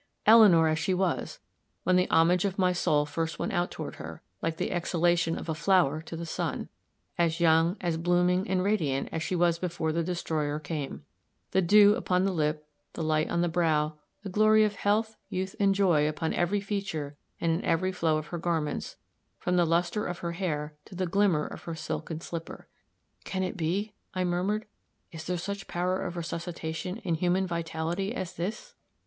Eleanor as she was, when the homage of my soul first went out toward her, like the exhalation of a flower to the sun as young, as blooming and radiant as she was before the destroyer came the dew upon the lip, the light on the brow, the glory of health, youth and joy upon every feature and in every flow of her garments, from the luster of her hair to the glimmer of her silken slipper. "Can it be?" I murmured. "Is there such power of resuscitation in human vitality as this?"